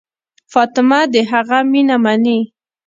فاطمه د هغه مینه مني.